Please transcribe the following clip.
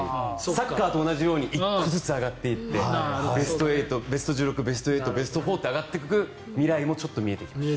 サッカーと同じように１個ずつ上がっていってベスト１６、ベスト８ベスト４って上がっていく未来もちょっと見えてきました。